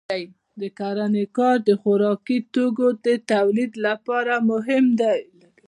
د کرنې کار د خوراکي توکو د تولید لپاره مهم دی.